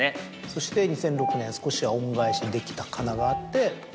そして２００６年『少しは、恩返しができたかな』があって。